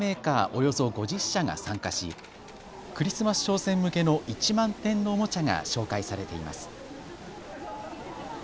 およそ５０社が参加しクリスマス商戦向けの１万点のおもちゃが紹介されています。